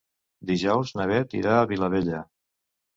Dijous na Beth irà a la Vilavella.